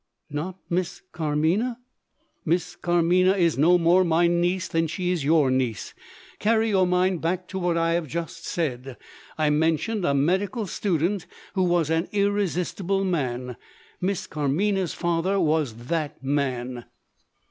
"Not Miss Carmina?" "Miss Carmina is no more my niece than she is your niece. Carry your mind back to what I have just said. I mentioned a medical student who was an irresistible man. Miss Carmina's father was that man."